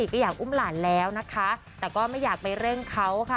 ก็อยากอุ้มหลานแล้วนะคะแต่ก็ไม่อยากไปเร่งเขาค่ะ